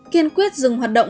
kiên quyết dừng hoạt động